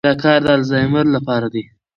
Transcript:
دا کار د الزایمر لپاره دی.